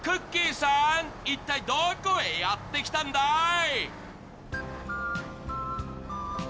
さん、一体どこへやってきたんだい？